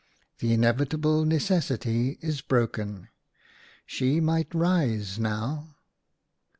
The Inevitable Necessity is broken. She might rise now."